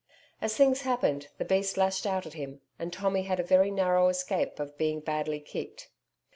As things happened, the beast lashed out at him, and Tommy had a very narrow escape of being badly kicked.